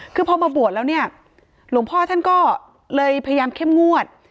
คือพอมาบวชแล้วเนี่ยหลวงพ่อท่านก็เลยพยายามเข้มงวด